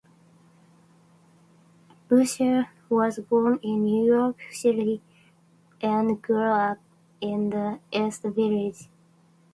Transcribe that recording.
Russell was born in New York City and grew up in the East Village.